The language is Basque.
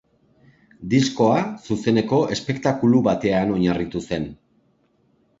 Diskoa zuzeneko espektakulu batean oinarritu zen.